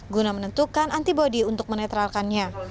guna menentukan antibody untuk menetralkannya